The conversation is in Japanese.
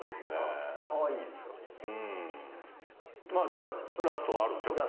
じゃあラストあるんでしょ？